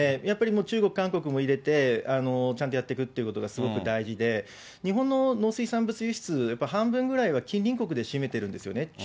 やっぱりもう中国、韓国も入れて、ちゃんとやっていくということがすごく大事で、日本の農水産物輸出、半分ぐらいは近隣国で占めてるんですよね。